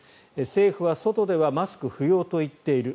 政府は外ではマスクは不要と言っている。